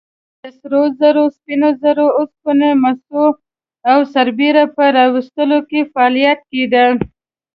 د سرو زرو، سپینو زرو، اوسپنې، مسو او سربو په راویستلو کې فعالیت کېده.